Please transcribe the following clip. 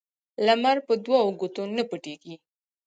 لمر په دوو ګوتو نه پټیږي